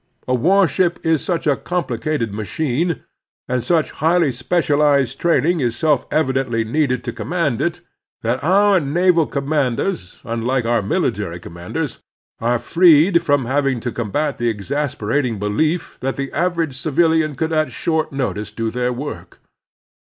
A warship is such a complicated machine, and such highly specialized training is self evidently needed to command it, that our naval commanders, unlike our military commanders, are freed from having to combat the exasperating belief that the average civilian could at short notice do their work.